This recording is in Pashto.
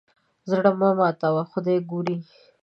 زړه مه ماتوه خدای ګوري.